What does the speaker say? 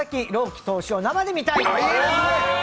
希投手を生で見たい。